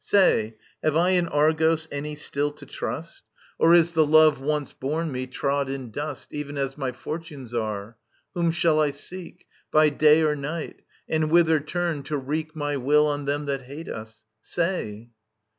Say, Have I in Argos any still to truist ; Or is the love, once borne me, trod in dust, Even as my forttmes are i Whom shall I seek ? By day or night i And whither turn, to wreak My will on them that hate us i Say.